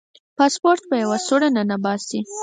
پاسپورټ په یوه سوړه ننباسي.